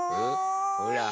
ほら！